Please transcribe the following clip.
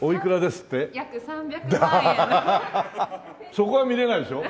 そこは見れないんでしょ？